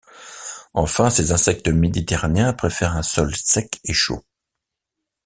Enfin, ces insectes méditerranéens préfèrent un sol sec et chaud.